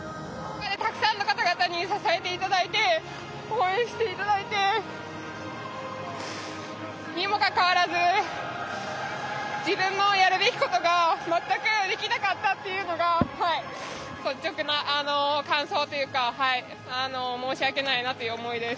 たくさんの方々に支えていただいて応援していただいてにもかかわらず自分のやるべきことが全くできなかったというのが率直な感想というか申し訳ないなという思いです。